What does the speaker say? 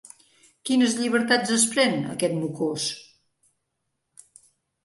Quines llibertats es pren, aquest mocós!